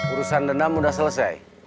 urusan dendam udah selesai